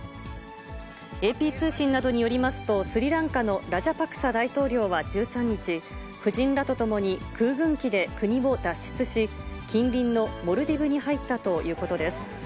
ＡＰ通信などによりますと、スリランカのラジャパクサ大統領は１３日、夫人らと共に空軍機で国を脱出し、近隣のモルディブに入ったということです。